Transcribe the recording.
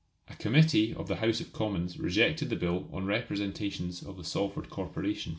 A Committee of the House of Commons rejected the Bill on representations of the Salford Corporation.